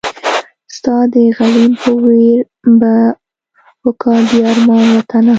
ستا د غلیم په ویر به وکاږي ارمان وطنه